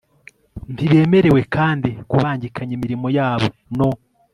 Ntibemerewe kandi kubangikanya imirimo yabo no